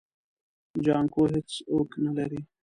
جانکو هيڅوک نه لري.